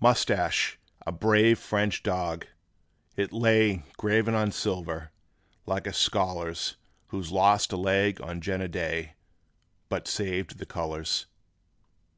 ('Moustache, a brave French dog,' it lay Graven on silver, like a scholar's; 'Who lost a leg on Jena day, But saved the colors!